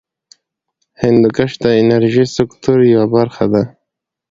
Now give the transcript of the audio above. هندوکش د انرژۍ سکتور یوه برخه ده.